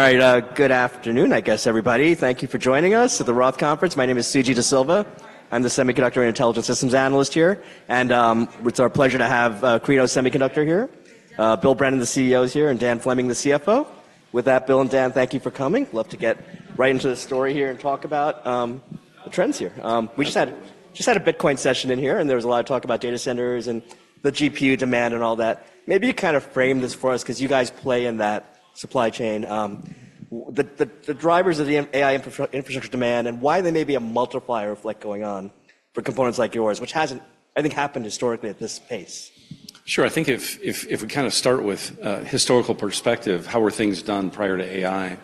All right, good afternoon, I guess, everybody. Thank you for joining us at the Roth Conference. My name is Suji Desilva. I'm the semiconductor and intelligent systems analyst here, and it's our pleasure to have Credo Semiconductor here. Bill Brennan, the CEO, is here, and Dan Fleming, the CFO. With that, Bill and Dan, thank you for coming. Love to get right into the story here and talk about the trends here. We just had a Bitcoin session in here, and there was a lot of talk about data centers and the GPU demand and all that. Maybe you kind of frame this for us 'cause you guys play in that supply chain. The drivers of the AI infrastructure demand and why they may be a multiplier effect going on for components like yours, which hasn't, I think, happened historically at this pace. Sure. I think if we kind of start with historical perspective, how were things done prior to AI?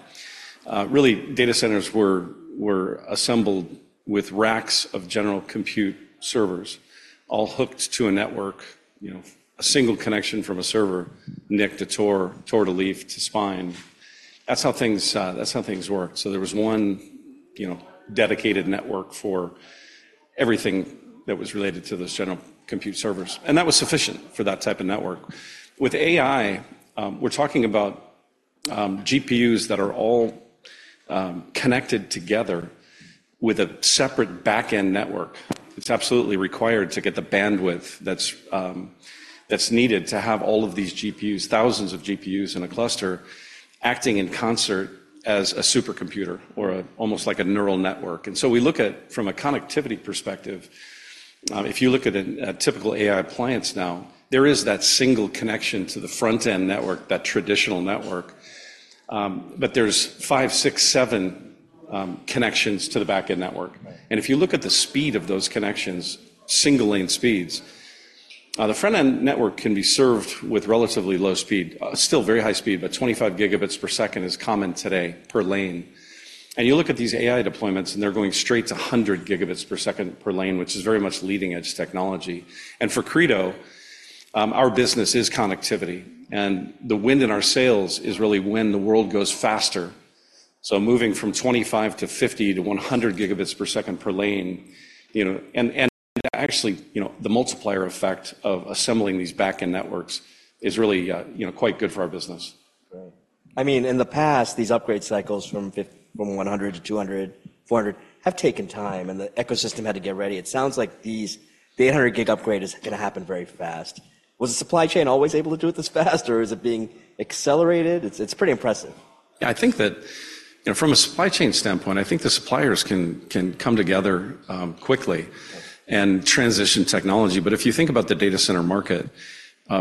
Really, data centers were assembled with racks of general compute servers all hooked to a network, you know, a single connection from a server, NIC to ToR, ToR to leaf to spine. That's how things worked. So there was one, you know, dedicated network for everything that was related to those general compute servers, and that was sufficient for that type of network. With AI, we're talking about GPUs that are all connected together with a separate back-end network. It's absolutely required to get the bandwidth that's needed to have all of these GPUs, thousands of GPUs in a cluster, acting in concert as a supercomputer or almost like a neural network. So we look at from a connectivity perspective, if you look at a typical AI appliance now, there is that single connection to the front-end network, that traditional network, but there's 5, 6, 7 connections to the back-end network. Right. And if you look at the speed of those connections, single-lane speeds, the front-end network can be served with relatively low speed, still very high speed, but 25 Gbps is common today per lane. And you look at these AI deployments, and they're going straight to 100 Gbps per lane, which is very much leading-edge technology. And for Credo, our business is connectivity, and the wind in our sails is really when the world goes faster. So moving from 25 to 50 to 100 Gbps per lane, you know, and, and actually, you know, the multiplier effect of assembling these back-end networks is really, you know, quite good for our business. Right. I mean, in the past, these upgrade cycles from 100 to 200, 400 have taken time, and the ecosystem had to get ready. It sounds like these, the 800 gig upgrade is gonna happen very fast. Was the supply chain always able to do it this fast, or is it being accelerated? It's pretty impressive. Yeah, I think that, you know, from a supply chain standpoint, I think the suppliers can come together quickly- Yeah ... and transition technology. But if you think about the data center market,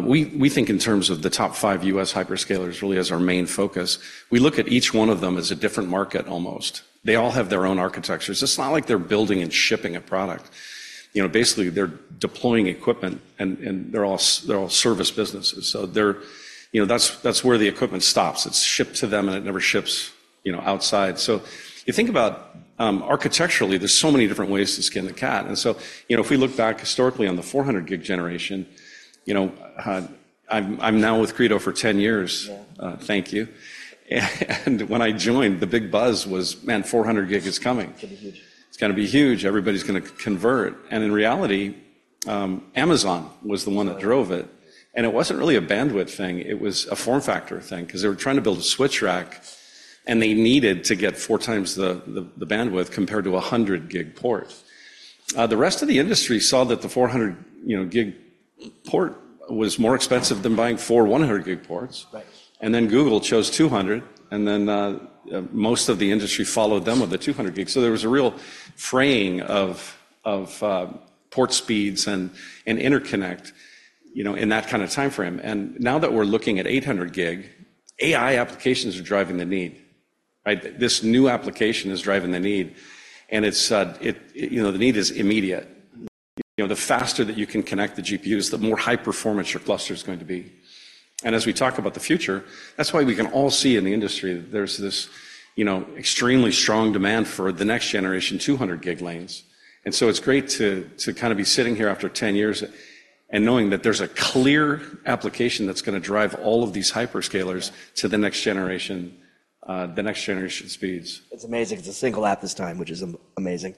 we think in terms of the top five U.S. hyperscalers really as our main focus. We look at each one of them as a different market almost. They all have their own architectures. It's not like they're building and shipping a product. You know, basically, they're deploying equipment, and they're all service businesses. So they're. You know, that's where the equipment stops. It's shipped to them, and it never ships, you know, outside. So you think about architecturally, there's so many different ways to skin the cat. And so, you know, if we look back historically on the 400 gig generation, you know, I'm now with Credo for 10 years. Yeah. Thank you. When I joined, the big buzz was, "Man, 400 gig is coming. It's gonna be huge. It's gonna be huge. Everybody's gonna convert." In reality, Amazon was the one that drove it, and it wasn't really a bandwidth thing. It was a form factor thing 'cause they were trying to build a switch rack, and they needed to get 4 times the bandwidth compared to a 100G port. The rest of the industry saw that the 400G, you know, port was more expensive than buying four 100G ports. Right. And then Google chose 200, and then, most of the industry followed them with the 200 gig. So there was a real fraying of port speeds and interconnect, you know, in that kind of timeframe. And now that we're looking at 800 gig, AI applications are driving the need, right? This new application is driving the need, and it's, you know, the need is immediate. You know, the faster that you can connect the GPUs, the more high performance your cluster is going to be. And as we talk about the future, that's why we can all see in the industry that there's this, you know, extremely strong demand for the next-generation 200 gig lanes. And so it's great to kind of be sitting here after 10 years and knowing that there's a clear application that's gonna drive all of these hyperscalers... Yeah... to the next generation, the next-generation speeds. It's amazing. It's a single app this time, which is amazing.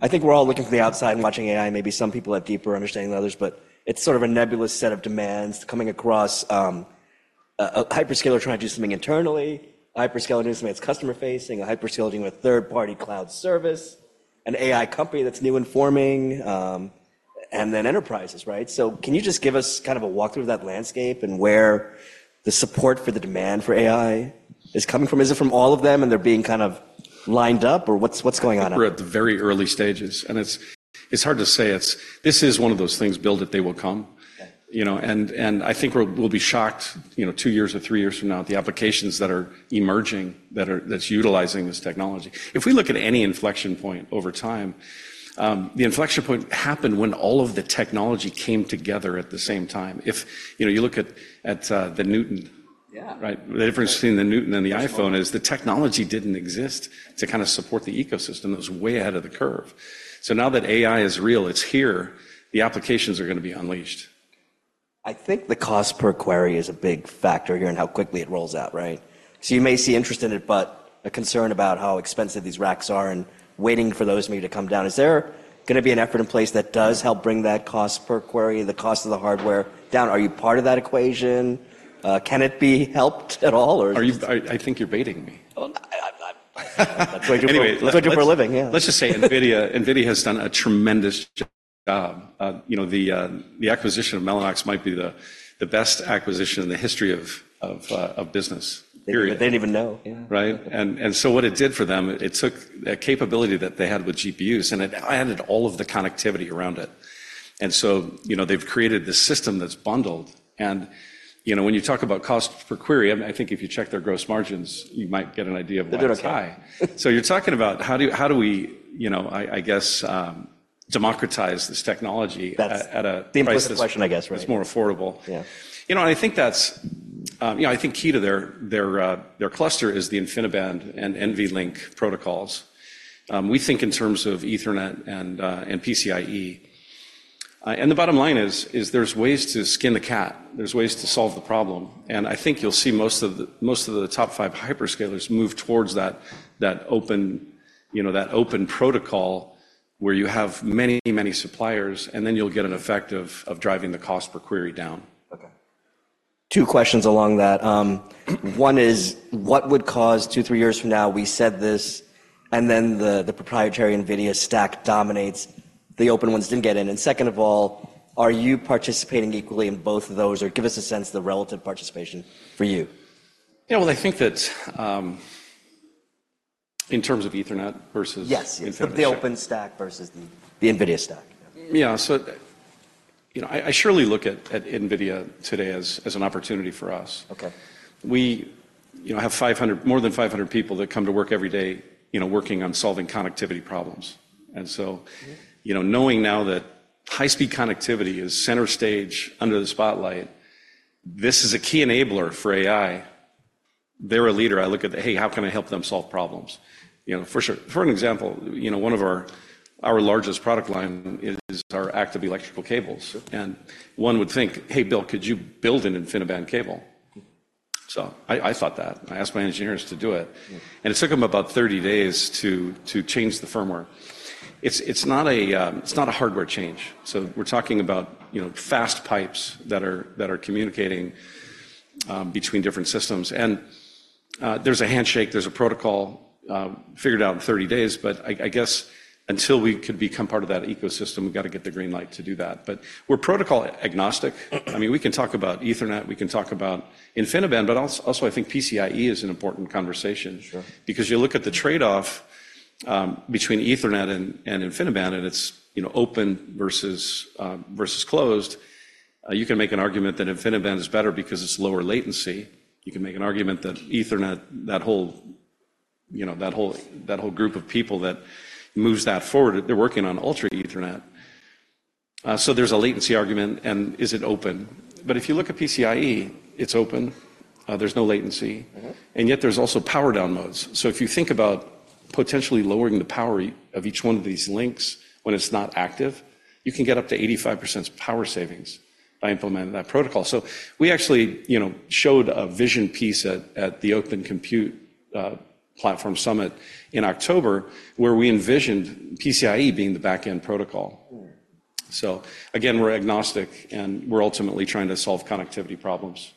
I think we're all looking from the outside and watching AI, maybe some people have deeper understanding than others, but it's sort of a nebulous set of demands coming across, a hyperscaler trying to do something internally, a hyperscaler doing something that's customer-facing, a hyperscaler dealing with a third-party cloud service, an AI company that's new and forming, and then enterprises, right? So can you just give us kind of a walkthrough of that landscape and where the support for the demand for AI is coming from? Is it from all of them, and they're being kind of lined up, or what's going on? We're at the very early stages, and it's, it's hard to say. It's, this is one of those things, "Build it, they will come. Yeah. You know, and I think we'll be shocked, you know, two years or three years from now, the applications that are emerging that are utilizing this technology. If we look at any inflection point over time, the inflection point happened when all of the technology came together at the same time. If you know, you look at the Newton- Yeah. Right? The difference between the Newton and the iPhone- Small... is the technology didn't exist to kind of support the ecosystem. It was way ahead of the curve. So now that AI is real, it's here, the applications are gonna be unleashed. I think the cost per query is a big factor here in how quickly it rolls out, right? So you may see interest in it, but a concern about how expensive these racks are and waiting for those maybe to come down. Is there gonna be an effort in place that does help bring that cost per query, the cost of the hardware, down? Are you part of that equation? Can it be helped at all, or- I, I think you're baiting me.... That's what you do for a living, yeah. Let's just say NVIDIA, NVIDIA has done a tremendous job. You know, the acquisition of Mellanox might be the best acquisition in the history of business, period. They didn't even know. Yeah. Right? And so what it did for them, it took a capability that they had with GPUs, and it added all of the connectivity around it. And so, you know, they've created this system that's bundled, and, you know, when you talk about cost per query, I think if you check their gross margins, you might get an idea of why it's high. They did okay. So you're talking about how do we, you know, I guess, democratize this technology- That's- at a price The implicit question, I guess. Right. It's more affordable. Yeah. You know, and I think that's key to their cluster is the InfiniBand and NVLink protocols. We think in terms of Ethernet and PCIe. The bottom line is there's ways to skin the cat. There's ways to solve the problem, and I think you'll see most of the top five hyperscalers move towards that open protocol, where you have many suppliers, and then you'll get an effect of driving the cost per query down. Okay. Two questions along that. One is, what would cause 2-3 years from now, we said this, and then the proprietary NVIDIA stack dominates, the open ones didn't get in? And second of all, are you participating equally in both of those, or give us a sense of the relative participation for you. Yeah, well, I think that, in terms of Ethernet versus- Yes. InfiniBand. The open stack versus the NVIDIA stack. Yeah, so, you know, I surely look at NVIDIA today as an opportunity for us. Okay. We, you know, have 500, more than 500 people that come to work every day, you know, working on solving connectivity problems. And so- Yeah... you know, knowing now that high-speed connectivity is center stage under the spotlight, this is a key enabler for AI. They're a leader. I look at, "Hey, how can I help them solve problems?" You know, for sure. For an example, you know, one of our largest product line is our active electrical cables. Sure. One would think, "Hey, Bill, could you build an InfiniBand cable?" So I thought that. I asked my engineers to do it. Yeah. It took them about 30 days to change the firmware. It's not a hardware change. So we're talking about, you know, fast pipes that are communicating between different systems. And there's a handshake, there's a protocol figured out in 30 days. But I guess until we could become part of that ecosystem, we've got to get the green light to do that. But we're protocol agnostic. I mean, we can talk about Ethernet, we can talk about InfiniBand, but also, I think PCIe is an important conversation. Sure. Because you look at the trade-off between Ethernet and InfiniBand, and it's, you know, open versus closed. You can make an argument that InfiniBand is better because it's lower latency. You can make an argument that Ethernet, that whole, you know, that whole group of people that moves that forward, they're working on Ultra Ethernet. So there's a latency argument, and is it open? But if you look at PCIe, it's open, there's no latency. Mm-hmm. And yet there's also power-down modes. So if you think about potentially lowering the power of each one of these links when it's not active, you can get up to 85% power savings by implementing that protocol. So we actually, you know, showed a vision piece at the Open Compute Platform Summit in October, where we envisioned PCIe being the back-end protocol. Mm. So again, we're agnostic, and we're ultimately trying to solve connectivity problems.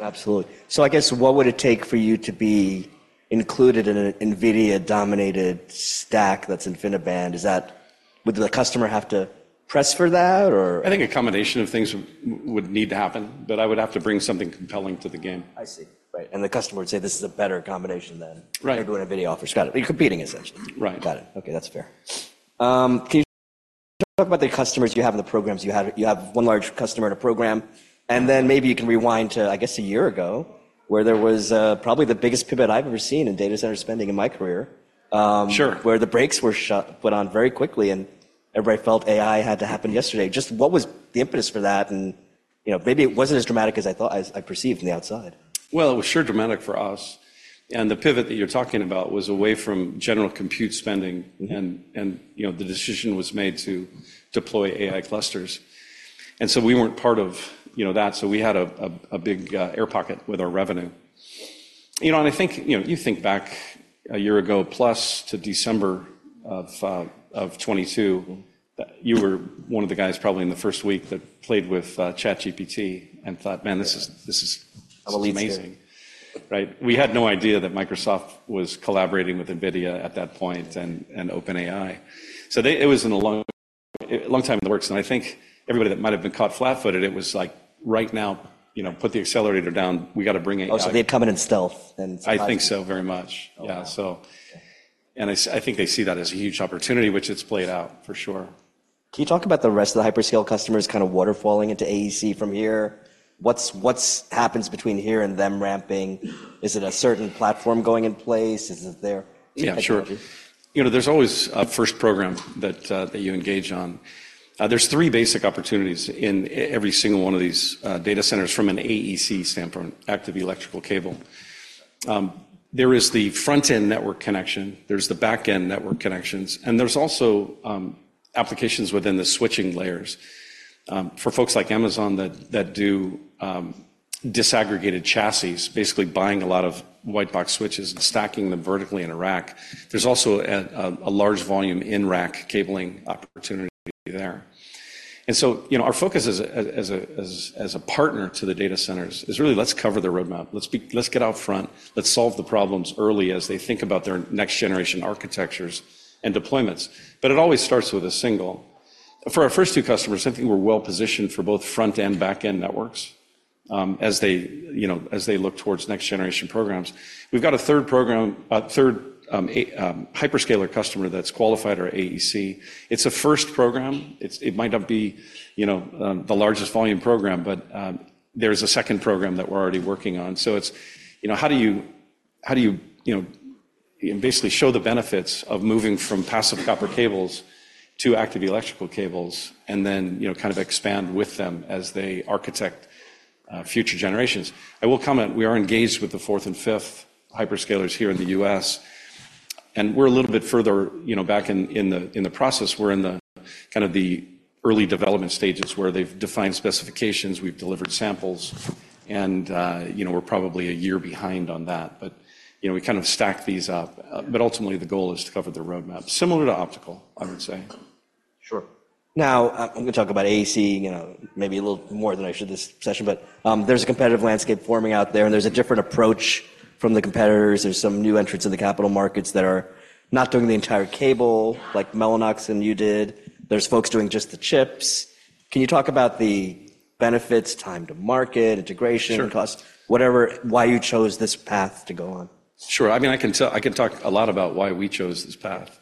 Absolutely. So I guess, what would it take for you to be included in an NVIDIA-dominated stack that's InfiniBand? Is that-- Would the customer have to press for that, or...? I think a combination of things would need to happen, but I would have to bring something compelling to the game. I see. Right, and the customer would say, "This is a better combination than- Right. -what NVIDIA offers." Got it. You're competing, essentially. Right. Got it. Okay, that's fair. Can you talk about the customers you have and the programs you have? You have one large customer in a program, and then maybe you can rewind to, I guess, a year ago, where there was probably the biggest pivot I've ever seen in data center spending in my career. Sure... where the brakes were put on very quickly, and everybody felt AI had to happen yesterday. Just what was the impetus for that? You know, maybe it wasn't as dramatic as I thought, as I perceived from the outside. Well, it was sure dramatic for us, and the pivot that you're talking about was away from general compute spending- Mm-hmm... and, you know, the decision was made to deploy AI clusters. And so we weren't part of, you know, that, so we had a big air pocket with our revenue. You know, and I think, you know, you think back a year ago plus to December of 2022, you were one of the guys probably in the first week that played with ChatGPT and thought, "Man, this is- Yeah. This is amazing. Really scary. Right. We had no idea that Microsoft was collaborating with NVIDIA at that point and OpenAI. So they. It was a long time in the works, and I think everybody that might have been caught flat-footed, it was like, "Right now, you know, put the accelerator down. We got to bring it out. Oh, so they've come in stealth and- I think so, very much. Oh, wow. Yeah, so... And I think they see that as a huge opportunity, which it's played out, for sure. Can you talk about the rest of the hyperscaler customers kind of waterfalling into AEC from here? What's happens between here and them ramping? Is it a certain platform going in place? Is it their... Yeah, sure. You know, there's always a first program that you engage on. There's three basic opportunities in every single one of these data centers from an AEC standpoint, active electrical cable. There is the front-end network connection, there's the back-end network connections, and there's also applications within the switching layers. For folks like Amazon that do disaggregated chassis, basically buying a lot of white box switches and stacking them vertically in a rack, there's also a large volume in-rack cabling opportunity there.... And so, you know, our focus as a partner to the data centers is really let's cover the roadmap. Let's get out front, let's solve the problems early as they think about their next-generation architectures and deployments. But it always starts with a single. For our first two customers, I think we're well-positioned for both front-end and back-end networks, as they, you know, as they look towards next-generation programs. We've got a third hyperscaler customer that's qualified our AEC. It's a first program. It might not be, you know, the largest volume program, but there's a second program that we're already working on. So it's, you know, how do you, you know, basically show the benefits of moving from passive copper cables to active electrical cables and then, you know, kind of expand with them as they architect future generations? I will comment, we are engaged with the fourth and fifth hyperscalers here in the U.S., and we're a little bit further, you know, back in the process. We're in the kind of the early development stages where they've defined specifications, we've delivered samples, and, you know, we're probably a year behind on that. But, you know, we kind of stack these up. But ultimately, the goal is to cover the roadmap. Similar to optical, I would say. Sure. Now, I'm gonna talk about AEC, you know, maybe a little more than I should this session, but there's a competitive landscape forming out there, and there's a different approach from the competitors. There's some new entrants in the capital markets that are not doing the entire cable, like Mellanox and you did. There's folks doing just the chips. Can you talk about the benefits, time to market, integration- Sure. cost, whatever, why you chose this path to go on? Sure. I mean, I can talk a lot about why we chose this path.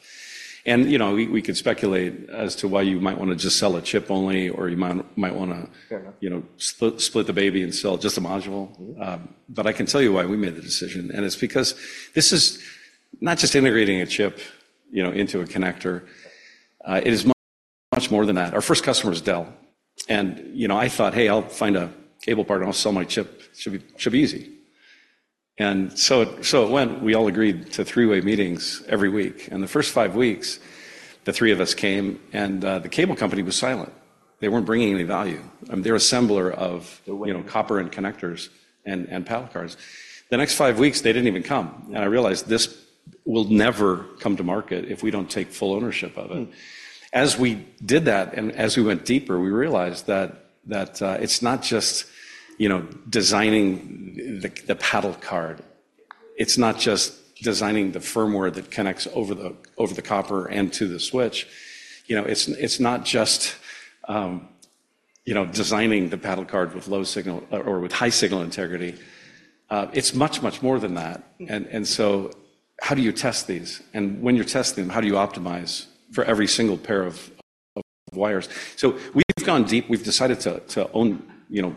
And, you know, we could speculate as to why you might wanna just sell a chip only, or you might wanna- Fair enough. - You know, split the baby and sell just a module. Mm-hmm. But I can tell you why we made the decision, and it's because this is not just integrating a chip, you know, into a connector. It is much, much more than that. Our first customer is Dell, and, you know, I thought, "Hey, I'll find a cable partner, and I'll sell my chip. It should be, it should be easy." And so it, so it went. We all agreed to three-way meetings every week, and the first five weeks, the three of us came, and the cable company was silent. They weren't bringing any value. They're assembler of- The way... you know, copper and connectors and paddle cards. The next five weeks, they didn't even come, and I realized this will never come to market if we don't take full ownership of it. Mm. As we did that and as we went deeper, we realized that it's not just, you know, designing the paddle card. It's not just designing the firmware that connects over the copper and to the switch. You know, it's not just, you know, designing the paddle card with low signal or with high signal integrity. It's much, much more than that. Mm. And so how do you test these? And when you test them, how do you optimize for every single pair of wires? So we've gone deep. We've decided to own, you know,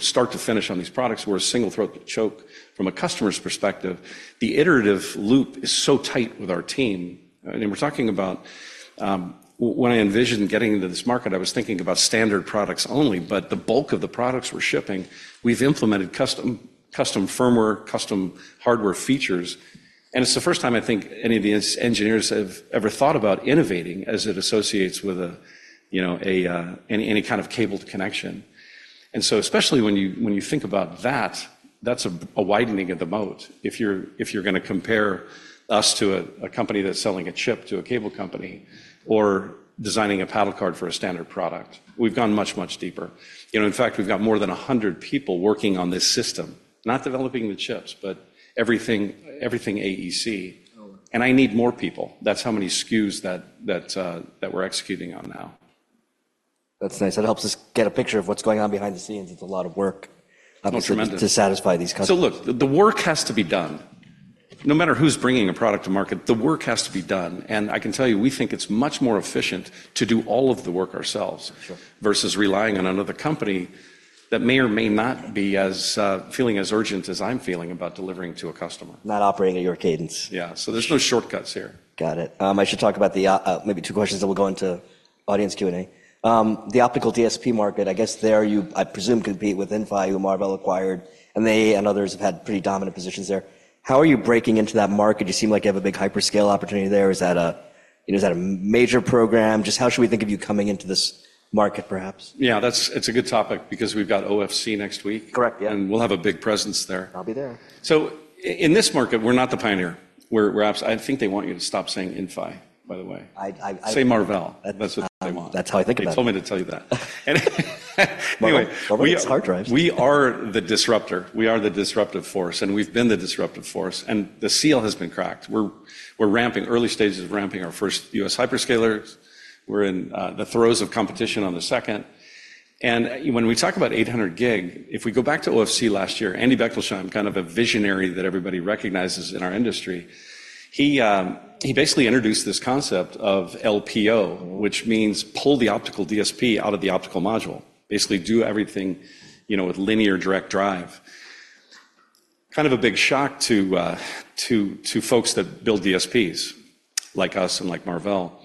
start to finish on these products. We're a single throat to choke. From a customer's perspective, the iterative loop is so tight with our team, and we're talking about... When I envisioned getting into this market, I was thinking about standard products only, but the bulk of the products we're shipping, we've implemented custom firmware, custom hardware features, and it's the first time I think any of the engineers have ever thought about innovating as it associates with a, you know, any kind of cabled connection. And so especially when you, when you think about that, that's a, a widening of the moat if you're, if you're gonna compare us to a, a company that's selling a chip to a cable company or designing a paddle card for a standard product. We've gone much, much deeper. You know, in fact, we've got more than 100 people working on this system, not developing the chips, but everything, everything AEC. Totally. I need more people. That's how many SKUs that we're executing on now. That's nice. That helps us get a picture of what's going on behind the scenes. It's a lot of work- Oh, tremendous... obviously, to satisfy these customers. So look, the work has to be done. No matter who's bringing a product to market, the work has to be done, and I can tell you, we think it's much more efficient to do all of the work ourselves- Sure... versus relying on another company that may or may not be as feeling as urgent as I'm feeling about delivering to a customer. Not operating at your cadence. Yeah. So there's no shortcuts here. Got it. I should talk about the, maybe two questions that will go into audience Q&A. The optical DSP market, I guess there you, I presume, compete with Inphi, who Marvell acquired, and they and others have had pretty dominant positions there. How are you breaking into that market? You seem like you have a big hyperscale opportunity there. Is that a, you know, is that a major program? Just how should we think of you coming into this market, perhaps? Yeah, that's, it's a good topic because we've got OFC next week. Correct, yeah. We'll have a big presence there. I'll be there. So in this market, we're not the pioneer. I think they want you to stop saying Inphi, by the way. I, I, I- Say Marvell. That- That's what they want. That's how I think about it. They told me to tell you that. And anyway- Marvell, Marvell makes hard drives. We are the disruptor. We are the disruptive force, and we've been the disruptive force, and the seal has been cracked. We're ramping, early stages of ramping our first U.S. hyperscalers. We're in the throes of competition on the second. And when we talk about 800 gig, if we go back to OFC last year, Andy Bechtolsheim, kind of a visionary that everybody recognizes in our industry, he basically introduced this concept of LPO, which means pull the optical DSP out of the optical module. Basically, do everything, you know, with linear direct drive. Kind of a big shock to folks that build DSPs, like us and like Marvell.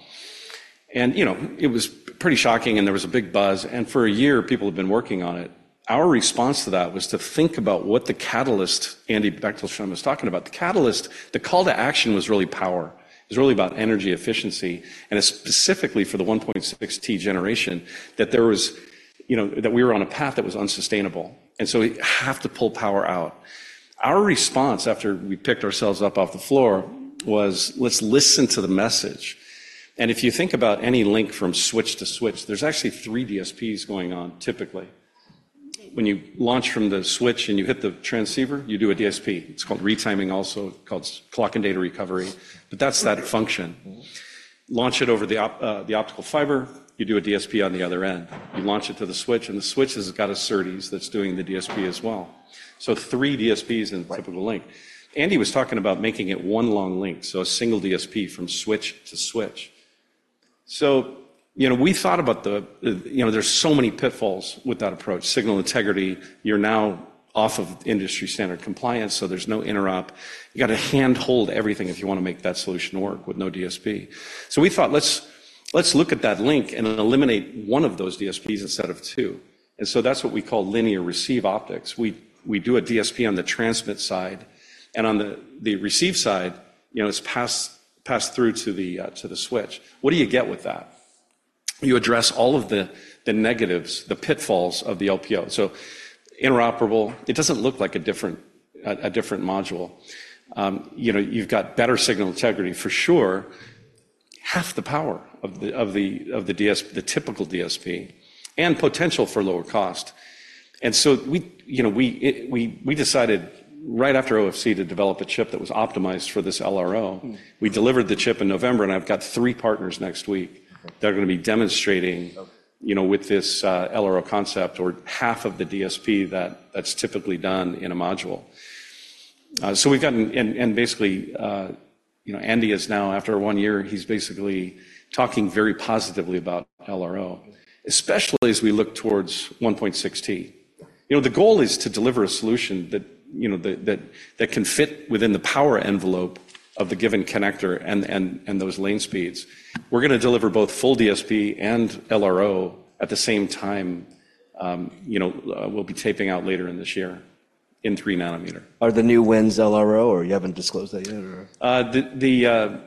And, you know, it was pretty shocking, and there was a big buzz, and for a year, people have been working on it. Our response to that was to think about what the catalyst Andy Bechtolsheim was talking about. The catalyst, the call to action was really power. It was really about energy efficiency, and specifically for the 1.6T generation, that there was, you know, that we were on a path that was unsustainable, and so we have to pull power out. Our response, after we picked ourselves up off the floor, was, "Let's listen to the message." And if you think about any link from switch to switch, there's actually three DSPs going on, typically. When you launch from the switch and you hit the transceiver, you do a DSP. It's called retiming, also called clock and data recovery, but that's that function. Mm-hmm. Launch it over the optical fiber, you do a DSP on the other end. You launch it to the switch, and the switch has got a SerDes that's doing the DSP as well. So three DSPs in- Right A typical link. Andy was talking about making it one long link, so a single DSP from switch to switch. So, you know, we thought about the, you know, there's so many pitfalls with that approach: signal integrity, you're now off of industry-standard compliance, so there's no interop. You've got to hand-hold everything if you want to make that solution work with no DSP. So we thought, "Let's look at that link and then eliminate one of those DSPs instead of two," and so that's what we call Linear Receive Optics. We do a DSP on the transmit side, and on the receive side, you know, it's passed through to the switch. What do you get with that? You address all of the negatives, the pitfalls of the LPO. So interoperable, it doesn't look like a different module. You know, you've got better signal integrity, for sure, half the power of the typical DSP, and potential for lower cost. And so we, you know, decided right after OFC to develop a chip that was optimized for this LRO. Mm. We delivered the chip in November, and I've got three partners next week- Okay ... that are going to be demonstrating- Okay... you know, with this LRO concept, or half of the DSP that that's typically done in a module. So we've gotten. And basically, you know, Andy is now, after one year, he's basically talking very positively about LRO. Mm... especially as we look towards 1.6T. You know, the goal is to deliver a solution that, you know, that can fit within the power envelope of the given connector and those lane speeds. We're going to deliver both full DSP and LRO at the same time. You know, we'll be taping out later in this year in 3 nm. Are the new wins LRO, or you haven't disclosed that yet, or?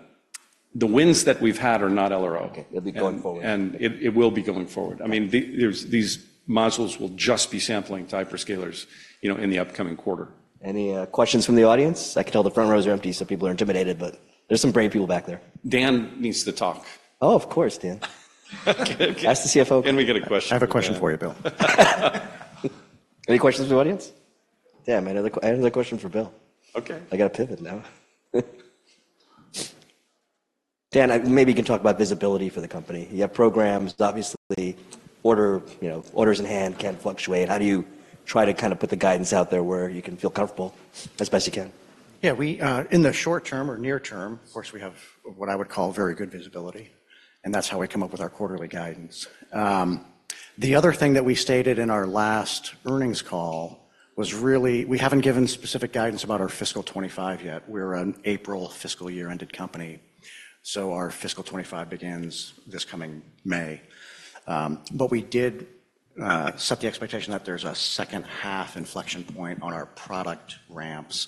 The wins that we've had are not LRO. Okay. It'll be going forward. It will be going forward. I mean, there's these modules will just be sampling to hyperscalers, you know, in the upcoming quarter. Any, questions from the audience? I can tell the front rows are empty, so people are intimidated, but there's some brave people back there. Dan needs to talk. Oh, of course, Dan. Ask the CFO- Can we get a question? I have a question for you, Bill. Any questions from the audience? Yeah, I have another question for Bill. Okay. I gotta pivot now. Dan, maybe you can talk about visibility for the company. You have programs, obviously, order, you know, orders in hand can fluctuate. How do you try to kind of put the guidance out there where you can feel comfortable, as best you can? Yeah, we in the short term or near term, of course, we have what I would call very good visibility, and that's how we come up with our quarterly guidance. The other thing that we stated in our last earnings call was really, we haven't given specific guidance about our fiscal 25 yet. We're an April fiscal year-ended company, so our fiscal 25 begins this coming May. But we did set the expectation that there's a second-half inflection point on our product ramps,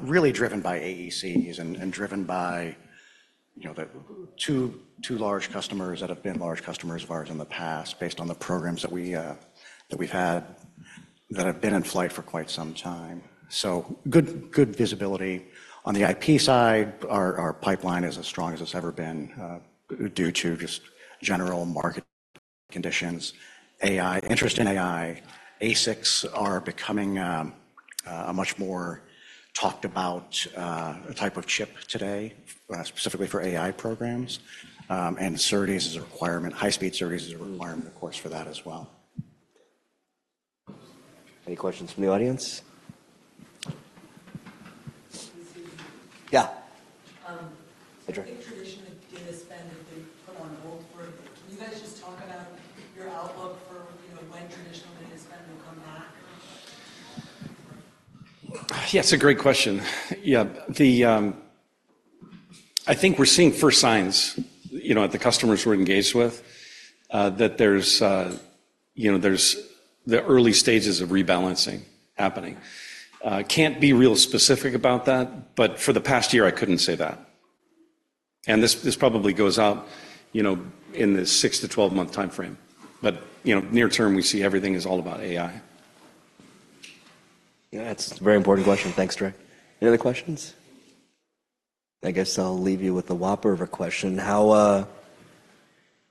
really driven by AECs and, and driven by, you know, the two, two large customers that have been large customers of ours in the past, based on the programs that we that we've had, that have been in flight for quite some time. So good, good visibility. On the IP side, our pipeline is as strong as it's ever been, due to just general market conditions. AI, interest in AI, ASICs are becoming a much more talked about type of chip today, specifically for AI programs. SerDes is a requirement. High-speed SerDes is a requirement, of course, for that as well. Any questions from the audience? Yeah. Um- Hi, Dre. I think traditional data spend has been put on hold for a bit. Can you guys just talk about your outlook for, you know, when traditional data spend will come back? Yeah, it's a great question. Yeah, I think we're seeing first signs, you know, at the customers we're engaged with, that there's, you know, there's the early stages of rebalancing happening. Can't be real specific about that, but for the past year, I couldn't say that. And this, this probably goes out, you know, in the 6-12-month timeframe, but, you know, near term, we see everything is all about AI. Yeah, that's a very important question. Thanks, Dre. Any other questions? I guess I'll leave you with a whopper of a question: How,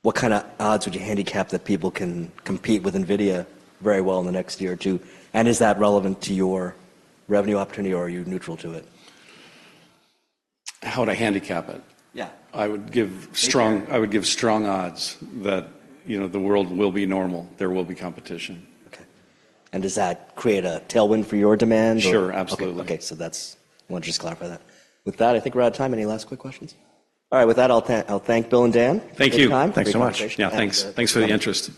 What kind of odds would you handicap that people can compete with NVIDIA very well in the next year or two, and is that relevant to your revenue opportunity, or are you neutral to it? How would I handicap it? Yeah. I would give strong- Okay. I would give strong odds that, you know, the world will be normal. There will be competition. Okay. Does that create a tailwind for your demand or- Sure, absolutely. I wanted to just clarify that. With that, I think we're out of time. Any last quick questions? All right, with that, I'll thank Bill and Dan. Thank you. Thanks for your time. Thanks so much. Great conversation. Yeah, thanks. Thanks for the interest.